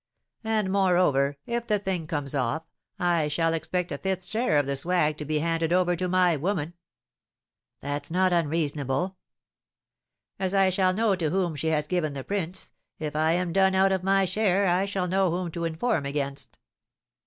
And, moreover, if the thing comes off, I shall expect a fifth share of the swag to be handed over to my woman." "That's not unreasonable." "As I shall know to whom she has given the prints, if I am done out of my share I shall know whom to inform against."